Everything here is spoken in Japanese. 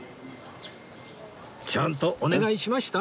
ちゃんとお願いしました？